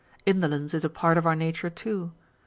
Indolence is a part of our nature too.